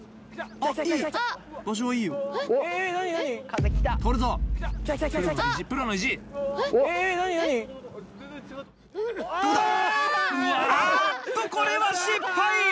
あっとこれは失敗。